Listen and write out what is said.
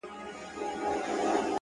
داسي يوه چا لكه سره زر تر ملا تړلى يم ـ